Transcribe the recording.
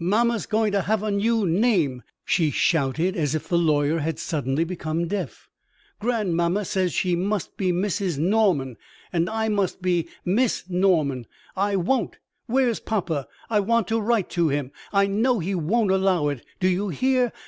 "Mamma's going to have a new name," she shouted, as if the lawyer had suddenly become deaf. "Grandmamma says she must be Mrs. Norman. And I must be Miss Norman. I won't! Where's papa? I want to write to him; I know he won't allow it. Do you hear?